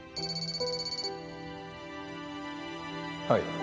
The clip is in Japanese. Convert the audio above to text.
はい。